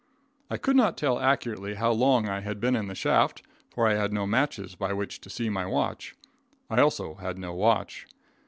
I could not tell accurately how long I had been in the shaft, for I had no matches by which to see my watch. I also had no watch.